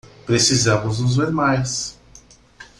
Precisamos nos ver mais